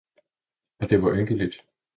og det var ynkeligt!